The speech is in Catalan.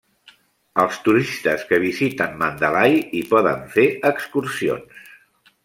Els turistes que visiten Mandalay hi poden fer excursions.